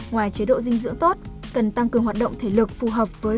ngoài chế độ dinh dưỡng tốt cần tăng cường hoạt động thể lực phù hợp với các chất dinh dưỡng